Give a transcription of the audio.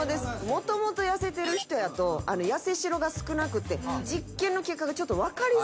もともと痩せてる人やと痩せ代が少なくて実験の結果がちょっと分かりづらい。